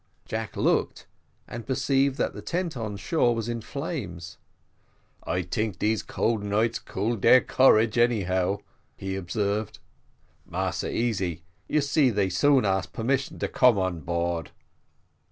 Jack looked, and perceived that the tent on shore was in flames. "I tink these cold nights cool their courage any how," observed Mesty "Massa Easy, you see they soon ask permission to come on board."